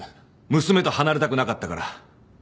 娘と離れたくなかったから。